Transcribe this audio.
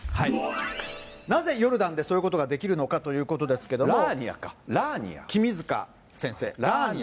なぜヨルダンでそういうことができるのかということですけれラーニアか、ラーニア。